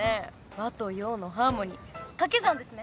和と洋のハーモニー掛け算ですね。